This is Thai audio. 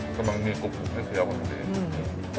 ก็มันมีกุบกุบให้เสียขนาดนี้